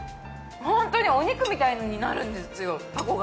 ホントにお肉みたいになるんですよタコが。